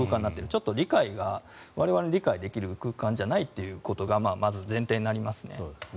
ちょっと理解が我々に理解できる空間じゃないということがまず前提になりますね。